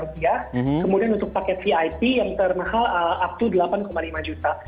kemudian untuk paket vip yang termahal up to delapan lima juta